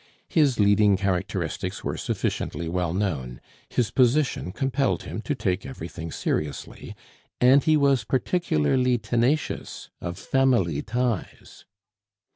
His leading characteristics were sufficiently well known; his position compelled him to take everything seriously; and he was particularly tenacious of family ties.